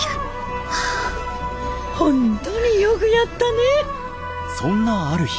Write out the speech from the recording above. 本当によくやったね。